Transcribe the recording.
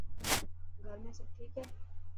گھر ۾ سڀ ٺيڪ هي؟